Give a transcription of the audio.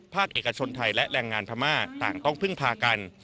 เอกชนไทยและแรงงานพม่าต่างต้องพึ่งพากัน